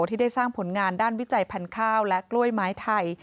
ที่ได้สร้างผลงานด้านวิจัยพันธุ์ข้าวและกล้วยไม้ไทย